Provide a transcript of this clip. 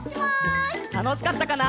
たのしかったかな？